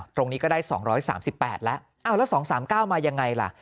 ตรงนี้ก็ได้๒๓๘แล้วแล้ว๒๓๙มายังไงล่ะ